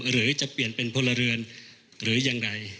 หรือจะเปลี่ยนเป็นพลเรือนหรือยังไร